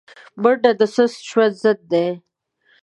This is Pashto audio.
منډه د سست ژوند ضد ده